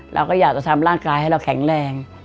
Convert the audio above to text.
เราก็อยากจะทำร่างกายให้เราแข็งแรง